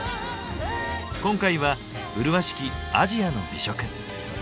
今回は麗しき「アジアの美食」。